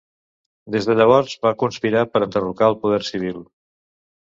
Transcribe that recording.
Des de llavors va conspirar per enderrocar el poder civil.